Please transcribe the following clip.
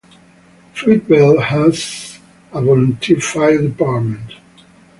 Fruitvale has a Voulenteer fire department.